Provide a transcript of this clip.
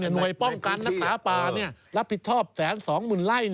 หน่วยป้องกันนักศึกษาป่ารับผิดชอบแสนสองหมื่นไล่